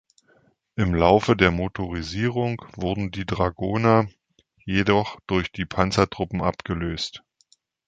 Im Laufe der Motorisierung wurden die Dragoner jedoch durch die Panzertruppen abgelöst.